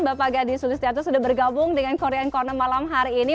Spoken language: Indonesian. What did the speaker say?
bapak gadi sulistianto sudah bergabung dengan korean corner malam hari ini